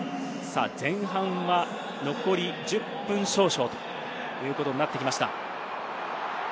前半は残り１０分少々ということになってきました。